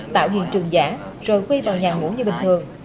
tạo hiện trường giả rồi quy vào nhà ngủ như bình thường